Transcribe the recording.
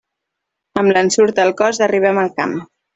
Amb l'ensurt al cos arribem al camp.